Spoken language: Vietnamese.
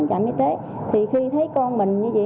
trạm y tế thì khi thấy con mình như vậy